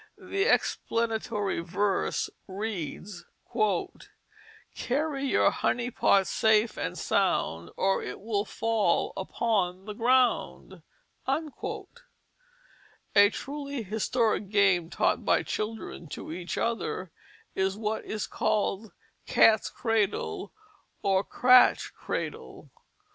The explanatory verse reads: "Carry your Honey pot safe and sound Or it will fall upon the Ground." A truly historic game taught by children to each other, is what is called cats cradle or cratch cradle.